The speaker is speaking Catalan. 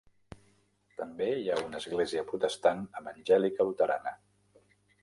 També hi ha una església protestant evangèlica luterana.